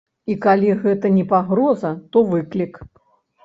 І калі гэта не пагроза, то выклік.